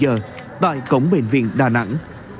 hai mươi h tại cổng bệnh viện đà nẵng